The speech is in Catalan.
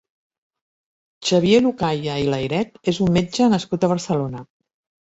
Xavier Lucaya i Layret és un metge nascut a Barcelona.